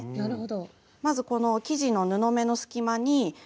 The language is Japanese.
なるほど。